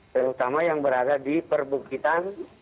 terutama yang berada di perbukitan